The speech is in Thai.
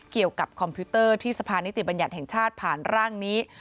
คอมพิวเตอร์ที่สภานิติบัญญัติแห่งชาติผ่านร่างนี้